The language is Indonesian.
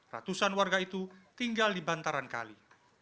ratusan warga itu tinggal di bantaran kali